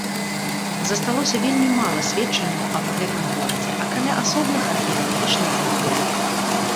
Засталося вельмі мала сведчанняў аб гэтым горадзе, акрамя асобных археалагічных знаходак.